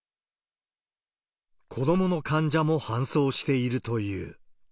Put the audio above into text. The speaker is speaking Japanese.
子どもの患者も搬送しているという。